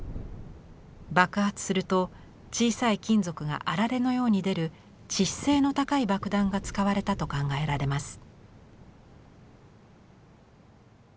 爆発すると小さい金属があられのように出る致死性の高い爆弾が使われたと考えられます。